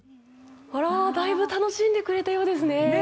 だいぶ楽しんでくれたようですね。